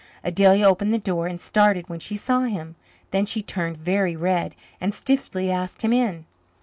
Adelia opened the door and started when she saw him; then she turned very red and stiffly asked him in.